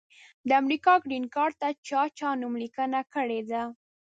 د امریکا ګرین کارټ ته چا چا نوملیکنه کړي ده؟